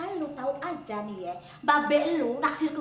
gini emak dilawan sih